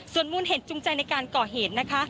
ส่วนมูลเหตุจูงใจในการก่อเหตุนะคะ